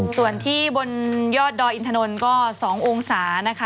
ส่วนที่บนยอดดอยอินถนนก็๒องศานะคะ